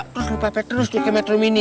terus lu pepek terus di kemetrum ini